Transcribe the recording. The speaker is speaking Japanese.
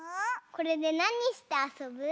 これでなにしてあそぶ？